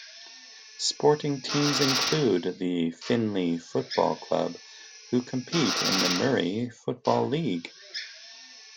Sporting teams include the Finley Football Club, who compete in the Murray Football League.